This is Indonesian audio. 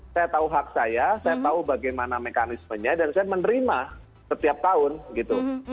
saya tahu hak saya saya tahu bagaimana mekanismenya dan saya menerima setiap tahun gitu